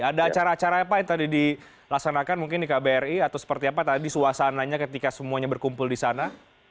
ada acara acara apa yang tadi dilaksanakan mungkin di kbri atau seperti apa tadi suasananya ketika semuanya berkumpul di sana